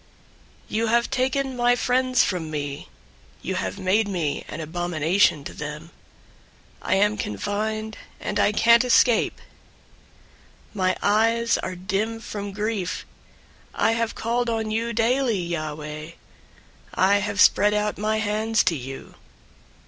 088:008 You have taken my friends from me. You have made me an abomination to them. I am confined, and I can't escape. 088:009 My eyes are dim from grief. I have called on you daily, Yahweh. I have spread out my hands to you.